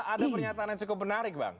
ada pernyataan yang cukup menarik bang